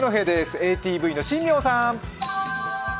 ＡＴＶの新名さん！